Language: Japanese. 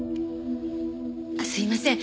あっすいません。